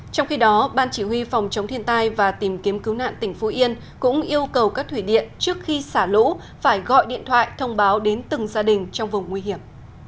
trong khi đó ban chỉ huy phòng chống thiên tai và tìm kiếm cứu nạn tỉnh phú yên cũng yêu cầu các thủy điện trước khi xả lũ phải gọi điện thoại thông báo đến từng gia đình trong vùng nguy hiểm